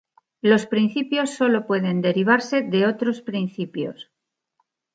Los principios sólo pueden derivarse de otros principios.